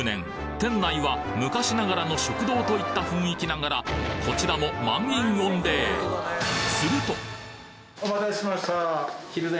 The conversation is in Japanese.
店内は昔ながらの食堂といった雰囲気ながらこちらもお待たせしました。